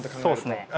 そうですね。